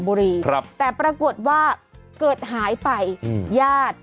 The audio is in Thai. บุรีครับแต่ปรากฏว่าเกิดหายไปอืมญาติ